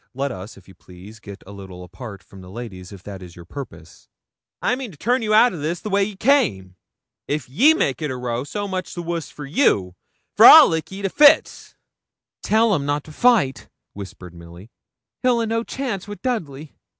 Let us, if you please, get a little apart from the ladies if that is your purpose.' 'I mean to turn you out o' this the way ye came. If you make a row, so much the wuss for you, for I'll lick ye to fits.' 'Tell him not to fight,' whispered Milly; 'he'll a no chance wi' Dudley.'